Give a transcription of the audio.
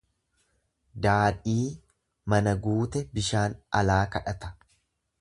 Daadhii mana guute bishaan alaa kadhata.